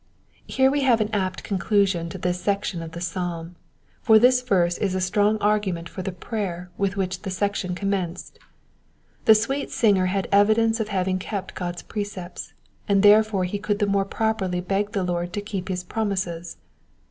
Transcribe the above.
Here we have an apt conclusion to this section of the psalm, for this verse is a strong argument for the prayer with which the section com menced. The sweet singer had evidence of having kept God's precepts, and therefore he could the more properly beg the Lord to keep his promises.